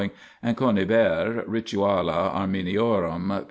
and Conybeare, Rituale Armenorum, p.